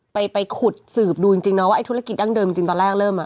ไปขุดสืบดูจริงนะว่าไอธุรกิจดั้งเดิมจริงตอนแรกเริ่มอ่ะ